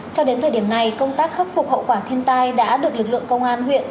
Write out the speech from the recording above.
cho đến thời điểm này công tác khắc phục hậu quả thiên tai đã được lực lượng công an huyện